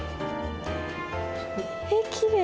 えっきれいです